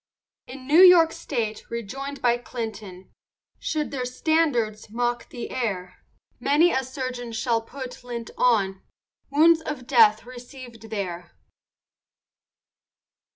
In New York state, rejoin'd by Clinton, Should their standards mock the air, Many a surgeon shall put lint on Wounds of death receivèd there.